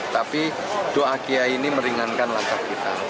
tapi doa kiai ini meringankan langkah kita